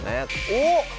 おっ！